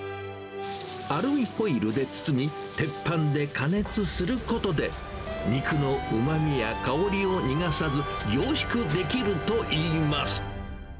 アルミホイルで包み、鉄板で加熱することで、肉のうまみや香りを逃がさず、凝縮できるといいます。